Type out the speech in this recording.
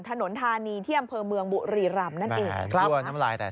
ถนนธานีเที่ยมเพอร์เมืองบุรีรัมนั่นเองครับด้วยน้ำลายแต่